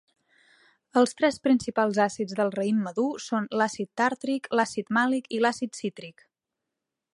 Els tres principals àcids del raïm madur són l'àcid tàrtric, l'àcid màlic i l'àcid cítric.